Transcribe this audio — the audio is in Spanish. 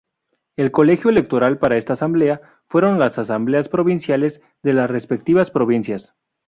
El Colegio Electoral para esta Asamblea fueron las Asambleas Provinciales de las respectivas Provincias.